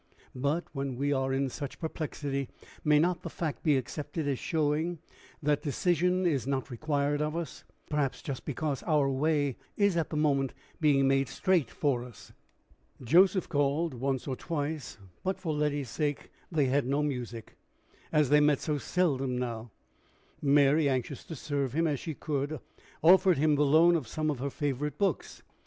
But, when we are in such perplexity, may not the fact be accepted as showing that decision is not required of us perhaps just because our way is at the moment being made straight for us? Joseph called once or twice, but, for Letty's sake, they had no music. As they met so seldom now, Mary, anxious to serve him as she could, offered him the loan of some of her favorite books.